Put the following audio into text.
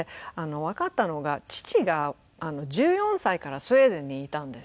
わかったのが父が１４歳からスウェーデンにいたんです。